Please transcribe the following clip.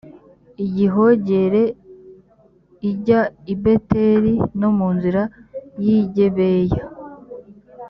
igihogere ijya i beteli no mu nzira y i gibeya